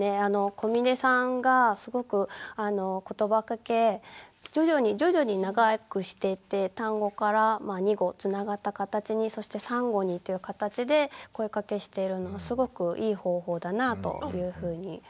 小峰さんがすごくことばかけ徐々に徐々に長くしていって単語から２語つながった形にそして３語にっていう形で声かけしてるのはすごくいい方法だなぁというふうに思いましたね。